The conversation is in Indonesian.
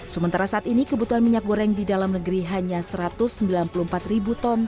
sementara saat ini kebutuhan minyak goreng di dalam negeri hanya satu ratus sembilan puluh empat ribu ton